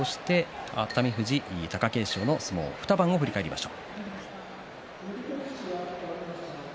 熱海富士、貴景勝の相撲２番を振り返ります。